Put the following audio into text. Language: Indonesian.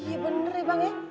iya bener bang